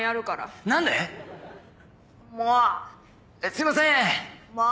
すいません。